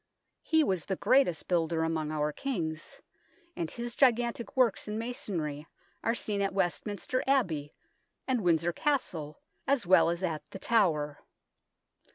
He was the greatest builder among our Kings, and his gigantic works in masonry are seen at Westminster Abbey and Windsor Castle as well as at The Tower.